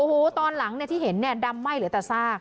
โอ้โหตอนหลังที่เห็นเนี่ยดำไหม้เหลือแต่ซาก